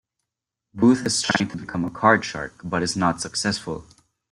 Booth is trying to become a "card shark", but is not successful.